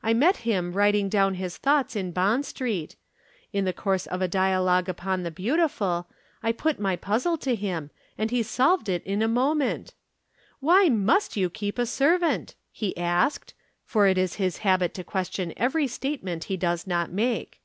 I met him writing down his thoughts in Bond Street. In the course of a dialogue upon the Beautiful, I put my puzzle to him and he solved it in a moment. 'Why must you keep a servant?' he asked, for it is his habit to question every statement he does not make.